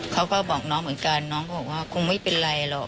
เขาก็บอกน้องเหมือนกันน้องก็บอกว่าคงไม่เป็นไรหรอก